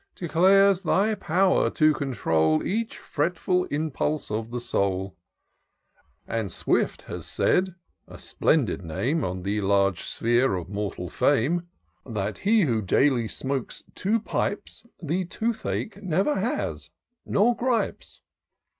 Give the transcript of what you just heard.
Declares thy power to control Each fretful impulse of the soul; And Swift has said, (a splendid name, On the large sphere of mortal fame,) That he who daily smokes two pipes. The tooth ache never has — nor gripes.